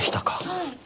はい。